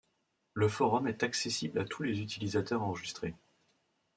Le forum est accessible à tous les utilisateurs enregistrés.